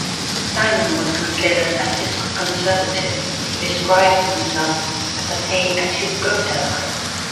Simon was considered a fiscal conservative, who described himself as "a pay-as-you-go Democrat".